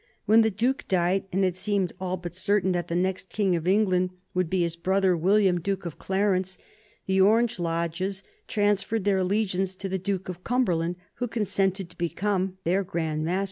When the Duke died, and it seemed all but certain that the next King of England must be his brother William, Duke of Clarence, the Orange lodges transferred their allegiance to the Duke of Cumberland, who consented to become their Grand Master.